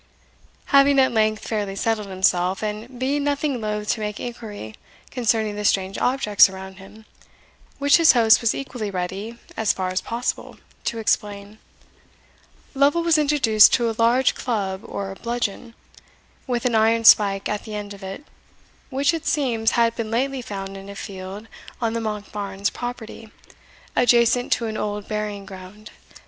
Having at length fairly settled himself, and being nothing loath to make inquiry concerning the strange objects around him, which his host was equally ready, as far as possible, to explain, Lovel was introduced to a large club, or bludgeon, with an iron spike at the end of it, which, it seems, had been lately found in a field on the Monkbarns property, adjacent to an old burying ground.